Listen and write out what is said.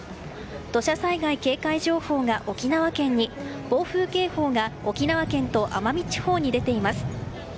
土砂災害警戒情報が沖縄県に暴風警報が沖縄県と奄美地方に出ています。